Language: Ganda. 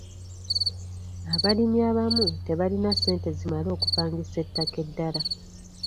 Abalimi abamu tebalina ssente zimala okupangisa ettaka eddala.